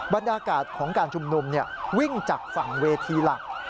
บรรยากาศของการชุมนุมวิ่งจากฝั่งเวทีหลัก